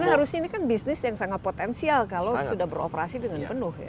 karena harusnya ini kan bisnis yang sangat potensial kalau sudah beroperasi dengan penuh ya